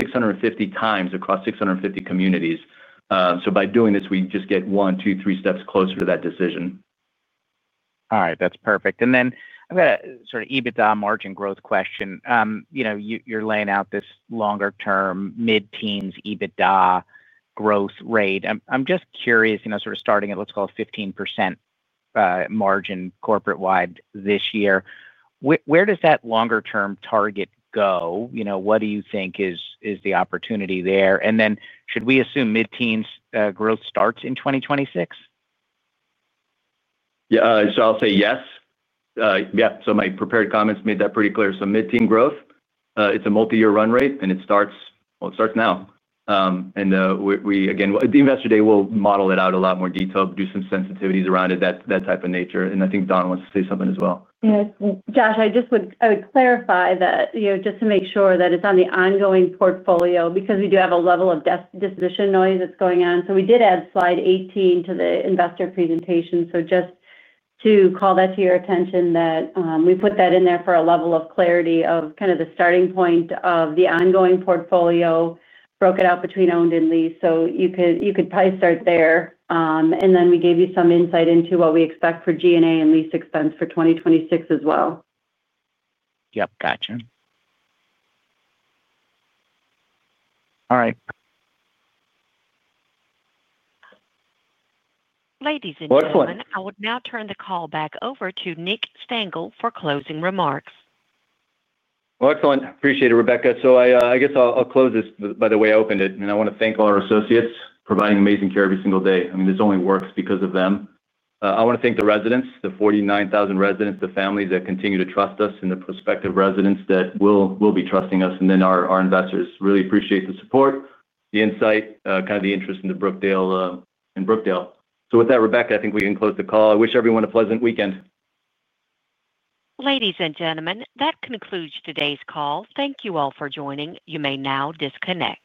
650x across 650 communities. By doing this, we just get one, two, three steps closer to that decision. All right. That's perfect. Then I've got a sort of EBITDA margin growth question. You're laying out this longer-term mid-teens EBITDA growth rate. I'm just curious, sort of starting at, let's call it, 15% margin corporate-wide this year. Where does that longer-term target go? What do you think is the opportunity there? Then should we assume mid-teens growth starts in 2026? Yeah. I'll say yes. Yeah. My prepared comments made that pretty clear. Mid-teens growth, it's a multi-year run rate, and it starts now. Again, the Investor Day will model it out in a lot more detail, do some sensitivities around it, that type of nature. I think Dawn wants to say something as well. Yeah. Josh, I would clarify that just to make sure that it's on the ongoing portfolio because we do have a level of disposition noise that's going on. We did add slide 18 to the investor presentation. Just to call that to your attention that we put that in there for a level of clarity of kind of the starting point of the ongoing portfolio, broke it out between owned and leased. You could probably start there. We gave you some insight into what we expect for G&A and lease expense for 2026 as well. Yep. Gotcha. All right. Ladies and gentlemen, I will now turn the call back over to Nick Stengle for closing remarks. Excellent. Appreciate it, Rebecca. I guess I'll close this by the way I opened it. I want to thank all our associates providing amazing care every single day. I mean, this only works because of them. I want to thank the residents, the 49,000 residents, the families that continue to trust us, and the prospective residents that will be trusting us. Our investors really appreciate the support, the insight, kind of the interest in Brookdale. With that, Rebecca, I think we can close the call. I wish everyone a pleasant weekend. Ladies and gentlemen, that concludes today's call. Thank you all for joining. You may now disconnect.